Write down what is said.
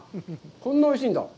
こんなおいしいんだ。